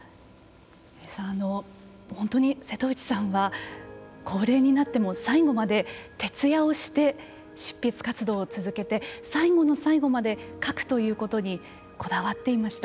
本当に瀬戸内さんは高齢になっても最後まで徹夜をして執筆活動を続けて最後の最後まで書くということにこだわっていました。